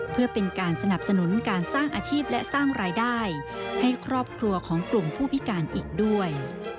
เพื่อเป็นการสนับสนุนการสร้างอาชีพและสร้างรายได้ให้ครอบครัวของกลุ่มผู้พิการอีกด้วย